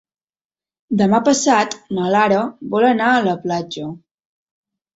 Demà passat na Lara vol anar a la platja.